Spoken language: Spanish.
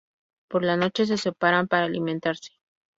Por la noche, se separan para alimentarse.